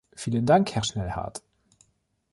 Vielen Dank, Herr Schnellhardt.